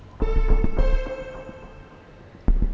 temukan orang orang yang menculik istri saya